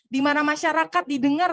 di mana masyarakat didengar